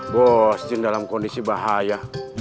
bos jin dalam kondisi bahaya